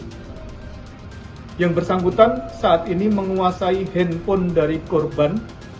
badan yang berangkat menangkap pembunuhan dan ramil aradide lieutenant dua octavianus yang terduga menguasai handphone dari korban